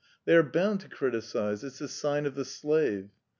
. they are bound to criticise it's the sign of the slave.